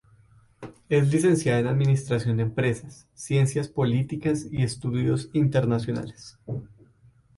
Es licenciada en Administración de Empresas, Ciencias Políticas y Estudios Internacionales.